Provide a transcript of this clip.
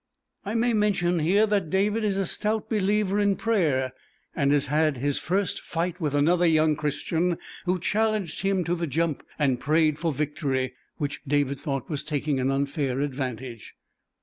I may mention here that David is a stout believer in prayer, and has had his first fight with another young Christian who challenged him to the jump and prayed for victory, which David thought was taking an unfair advantage.